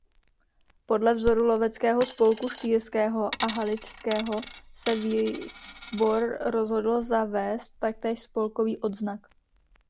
Podle vzoru loveckého spolku štýrského a haličského se výbor rozhodl zavést taktéž spolkový odznak.